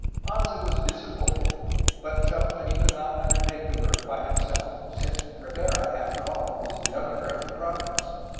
Anza was disappointed, but felt that he could not undertake the work by himself, since Rivera, after all, was governor of the province.